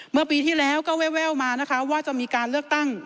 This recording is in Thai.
เมื่อปีที่แล้วก็แววมานะคะว่าจะมีการเลือกตั้ง